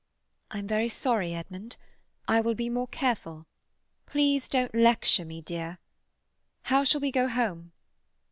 "I'm very sorry, Edmund. I will be more careful. Please don't lecture me, dear. How shall we go home?"